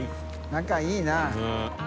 仲いいな。